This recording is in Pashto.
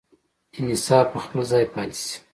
انحصار په خپل ځای پاتې شي.